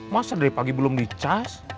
masa dari pagi belum dicas